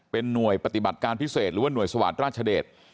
เป็นหน่วยปฏิบัติการพิเศษหรือว่าหน่วยสวาสตร์ราชเดช